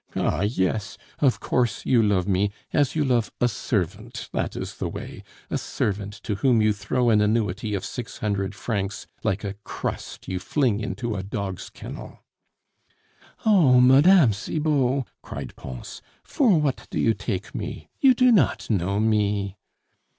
"Ah, yes, of course, you love me, as you love a servant, that is the way! a servant to whom you throw an annuity of six hundred francs like a crust you fling into a dog's kennel " "Oh! Mme. Cibot," cried Pons, "for what do you take me? You do not know me."